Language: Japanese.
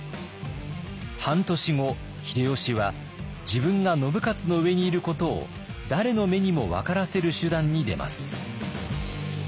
半年後秀吉は自分が信雄の上にいることを誰の目にも分からせる手段に出ます。